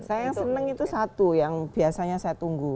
saya yang senang itu satu yang biasanya saya tunggu